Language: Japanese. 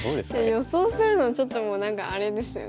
予想するのちょっともう何かあれですよね。